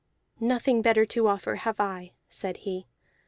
"Nothing better to offer have I," said he.